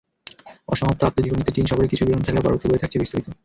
অসমাপ্ত আত্মজীবনীতে চীন সফরের কিছু বিবরণ থাকলেও পরবর্তী বইয়ে থাকছে বিস্তারিত।